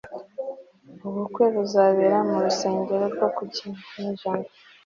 ubukwe buzabera mu rusengero rwo mu kinyejana